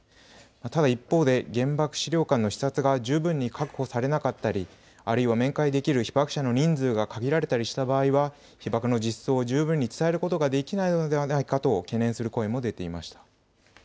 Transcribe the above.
ただ一方で、原爆資料館の視察が十分に確保されなかったり、あるいは面会できる被爆者の人数が限られたりした場合は、被爆の実相を十分に伝えることができないのではないかと懸念する声も出ていました。